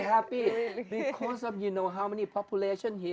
saya merasa sangat senang karena anda tahu berapa banyak populasi di sini